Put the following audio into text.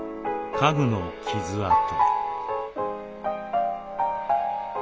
家具の傷痕。